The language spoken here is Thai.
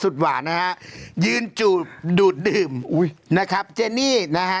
หวานนะฮะยืนจูบดูดดื่มอุ้ยนะครับเจนี่นะฮะ